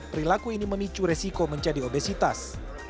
perilaku ini memicu resiko menjadi obesitas